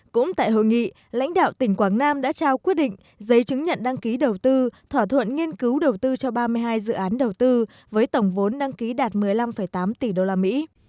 cũng tại hội nghị lãnh đạo tỉnh quảng nam đã trao quyết định giấy chứng nhận đăng ký đầu tư thỏa thuận nghiên cứu đầu tư cho ba mươi hai dự án đầu tư với tổng vốn đăng ký đạt một mươi năm tám tỷ đô la mỹ